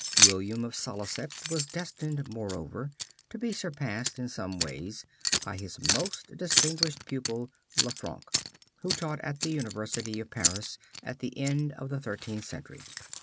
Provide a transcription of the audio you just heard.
William of Salicet was destined, moreover, to be surpassed in some ways by his most distinguished pupil, Lanfranc, who taught at the University of Paris at the end of the Thirteenth Century.